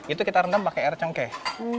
itu kita rendam pakai air cengkeh